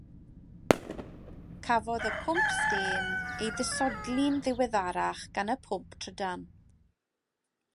Cafodd y pwmp stêm ei ddisodli'n ddiweddarach gan y pwmp trydan.